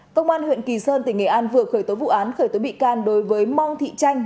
công an huyện kỳ sơn tỉnh nghệ an vừa khởi tố vụ án khởi tố bị can đối với mong thị tranh